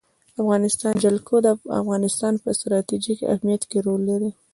د افغانستان جلکو د افغانستان په ستراتیژیک اهمیت کې رول لري.